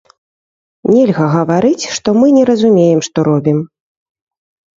Нельга гаварыць, што мы не разумеем, што робім.